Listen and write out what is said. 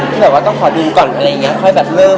ที่แบบว่าต้องขอดูก่อนอะไรอย่างนี้ค่อยแบบเริ่ม